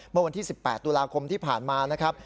เมื่อวันที่๑๘ตุลาคมที่ผ่านมานะครับ